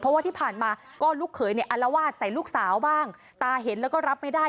เพราะว่าที่ผ่านมาก็ลูกเขยเนี่ยอัลวาดใส่ลูกสาวบ้างตาเห็นแล้วก็รับไม่ได้